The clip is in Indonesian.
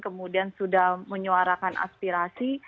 kemudian sudah menyuarakan aspirasi